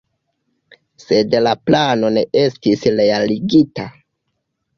Sed la plano ne estis realigita.